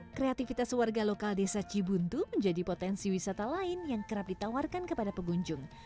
kreativitas warga lokal desa cibuntu menjadi potensi wisata lain yang kerap ditawarkan kepada pengunjung